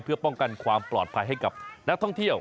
เพื่อป้องกันความปลอดภัยให้กับนักท่องเที่ยว